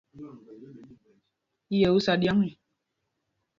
I yɛ́ ú sá ɗyǎŋ e ?